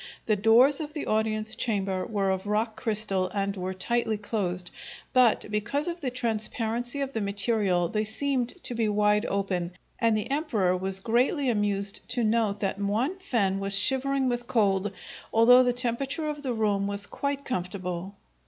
The doors of the audience chamber were of rock crystal and were tightly closed, but, because of the transparency of the material, they seemed to be wide open, and the emperor was greatly amused to note that Muan fen was shivering with cold, although the temperature of the room was quite comfortable.